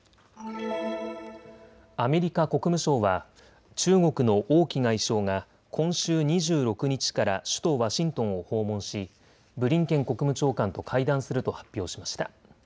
アメリカ国務省は中国の王毅外相が今週２６日から首都ワシントンを訪問しブリンケン国務長官と会談すると発表しました。